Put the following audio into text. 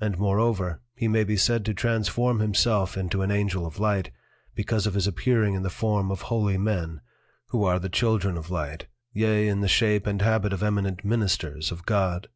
And moreover, he may be said to transform himself into an Angel of Light, because of his appearing in the Form of Holy Men, who are the Children of Light, yea in the shape and habit of Eminent Ministers of God.